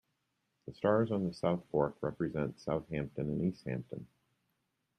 The stars on the South Fork represent Southampton and East Hampton.